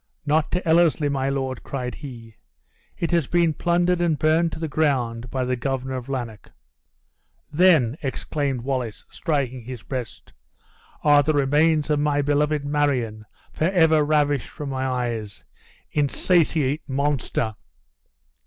"Not to Ellerslie, my lord," cried he; "it has been plundered and burned to the ground by the Governor of Lanark." "Then," exclaimed Wallace, striking his breast, "are the remains of my beloved Marion forever ravished from my eyes? Insatiate monster!"